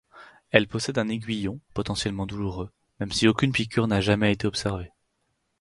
Elle possède un aiguillon, potentiellement douloureux, même si aucune piqûre n'a jamais été observée.